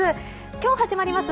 今日始まります。